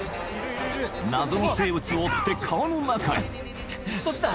謎の生物を追って川の中へ・そっちだ！